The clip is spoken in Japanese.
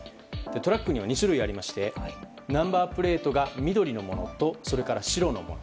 トラックには２種類ありましてナンバープレートが緑のものと、白のもの。